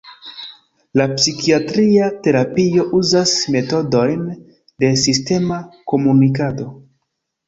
La psikiatria terapio uzas metodojn de sistema komunikado.